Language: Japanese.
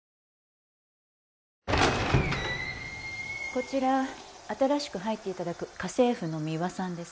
こちら新しく入って頂く家政婦のミワさんです。